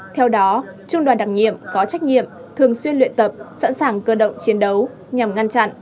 theo đó trung đoàn đặc nhiệm có trách nhiệm thường xuyên luyện tập sẵn sàng cơ động chiến đấu nhằm ngăn chặn